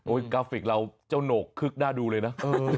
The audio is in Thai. กราฟิกเราเจ้าโหนกคึกน่าดูเลยนะ